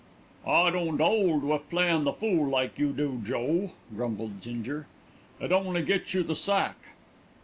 "I don't 'old wiv playin' the fool like you do, Joe," grumbled Ginger. "It only gets you the sack."